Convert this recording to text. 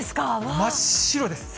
真っ白です。